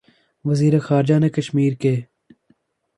وزیر خارجہ نے کشمیر کے